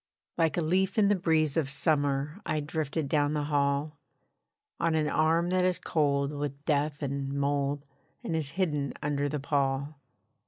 Like a leaf in the breeze of summer I drifted down the hall, On an arm that is cold with death and mould, And is hidden under the pall.